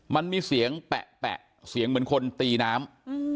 มันมีเสียงแปะเสียงเหมือนคนตีน้ำ